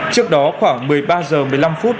trước đó khoảng một mươi ba h một mươi năm phút